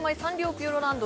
ピューロランド